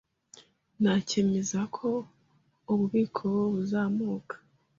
Nta cyemeza ko ububiko buzamuka.